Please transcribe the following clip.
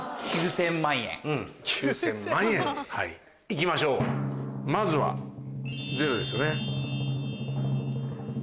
行きましょうまずはゼロですよね。